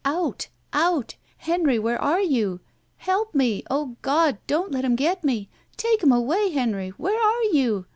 "Out! Out! Henry, where are you? Help me! O God, don't let him get me. Take him away, Henry! Where are you?